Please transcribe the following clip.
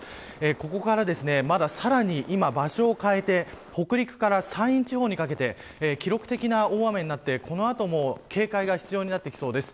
ここから、まださらに今、場所を変えて北陸から山陰地方にかけて記録的な大雨になってこの後も警戒が必要になってきそうです。